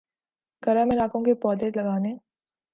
گرم علاقوں کے پودے لگانے